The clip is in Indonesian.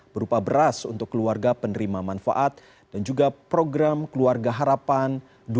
berupa beras untuk keluarga penerima manfaat dan juga program keluarga harapan dua ribu dua puluh dua ribu dua puluh satu